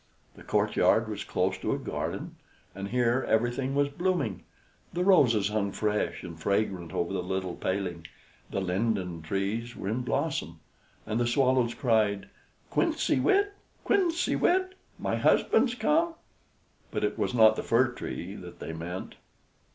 The courtyard was close to a garden, and here everything was blooming; the roses hung fresh and fragrant over the little paling, the linden trees were in blossom, and the swallows cried, "Quinze wit! quinze wit! my husband's come!" But it was not the Fir Tree that they meant.